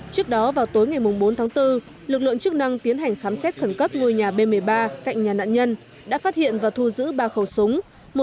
trước đó vào tối ngày bốn tháng bốn lực lượng chức năng tiến hành khám xét khẩn cấp ngôi nhà b một mươi ba cạnh nhà nạn nhân đã phát hiện và thu giữ ba khẩu súng